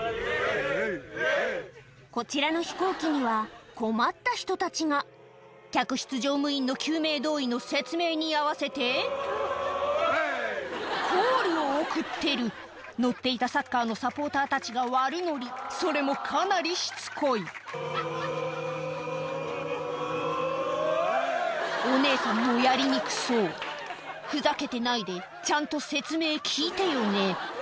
こちらの飛行機には困った人たちが客室乗務員の救命胴衣の説明に合わせてコールを送ってる乗っていたサッカーのサポーターたちが悪ノリそれもかなりしつこいお姉さんもやりにくそうふざけてないでちゃんと説明聞いてよね